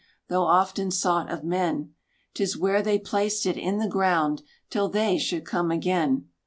Though often sought of men. 'Tis where they placed it in the ground, Till they should come again!